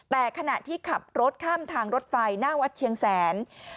แต่ขณะที่ขับรถข้ามทางรถไฟหน้าวัดเชียงแสน